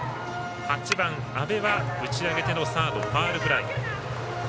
８番、阿部は打ち上げてのサードフライ。